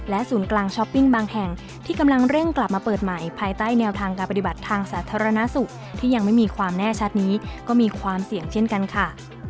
ศูนย์กลางช้อปปิ้งบางแห่งที่กำลังเร่งกลับมาเปิดใหม่ภายใต้แนวทางการปฏิบัติทางสาธารณสุขที่ยังไม่มีความแน่ชัดนี้ก็มีความเสี่ยงเช่นกันค่ะ